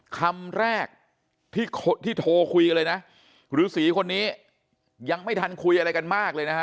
คำแรกที่โทรคุยกันเลยนะฤษีคนนี้ยังไม่ทันคุยอะไรกันมากเลยนะฮะ